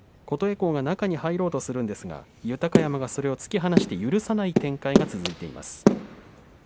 琴恵光が中に入ろうとするんですが豊山がそれを突き放して許さないという展開が続いています。